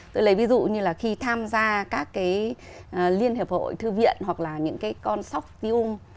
tôi lấy ví dụ như là khi tham gia các cái liên hiệp hội thư viện hoặc là những cái con sóc tiêu ung